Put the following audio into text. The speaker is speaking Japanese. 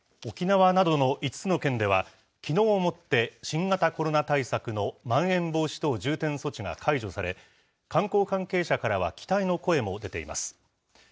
沖縄などの５つの県では、きのうをもって、新型コロナ対策のまん延防止等重点措置が解除され、観光関係者からは期待の声も出ています。